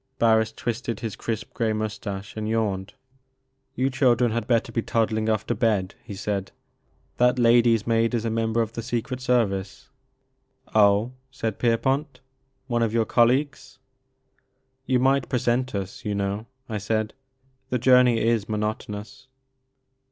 Barris twisted his crisp grey moustache, and yawned. 6 The Maker of Moons. "You children had better be toddling oflF to bed,*' he said. "That lady's maid is a member of the Secret Service." 0h," said Pierpont, "one of your col leagues? " "You might present us, you know," I said; " the journey is monotonous."